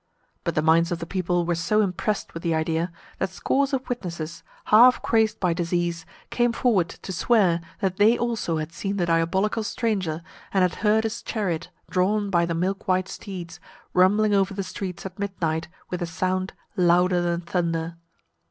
But the minds of the people were so impressed with the idea, that scores of witnesses, half crazed by disease, came forward to swear that they also had seen the diabolical stranger, and had heard his chariot, drawn by the milk white steeds, rumbling over the streets at midnight with a sound louder than thunder.